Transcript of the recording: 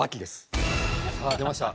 さあ出ました。